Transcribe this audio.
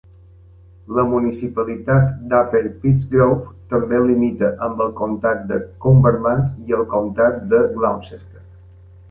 La municipalitat d'Upper Pittsgrove també limita amb el comtat de Cumberland i el comtat de Gloucester.